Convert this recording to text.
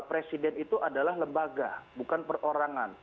presiden itu adalah lembaga bukan perorangan